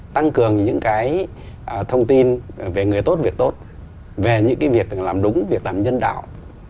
tăng cường những cái thông tin về người tốt việc tốt về những việc làm đúng việc làm nhân đạo